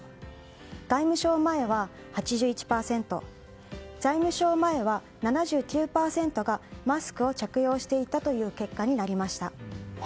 外務省前は８１％財務省前は７９％がマスクを着用していたという結果になりました。